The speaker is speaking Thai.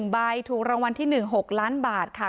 ใบถูกรางวัลที่๑๖ล้านบาทค่ะ